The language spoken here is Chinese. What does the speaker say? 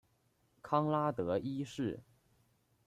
康拉德一世。